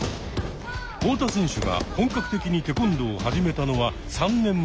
太田選手が本格的にテコンドーを始めたのは３年前。